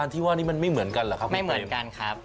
เธอว่ามันไม่เหมือนกันเหรอครับ